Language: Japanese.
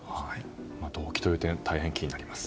動機という点大変気になります。